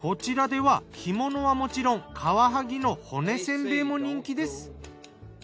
こちらでは干物はもちろんかわはぎの骨せんべいも人気です。